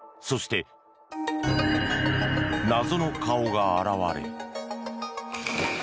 そして、謎の顔が現れ。